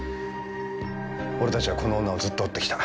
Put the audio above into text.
俺たちはこの女をずっと追って来た。